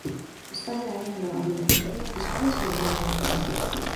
España é unha anomalía, en termos fiscais, na Unión Europea.